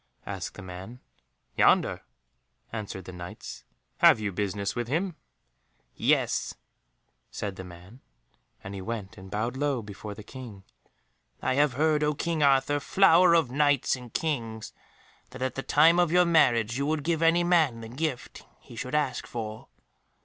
asked the man. "Yonder," answered the Knights. "Have you business with him?" "Yes," said the man, and he went and bowed low before the King: "I have heard, O King Arthur, flower of Knights and Kings, that at the time of your marriage you would give any man the gift he should ask for."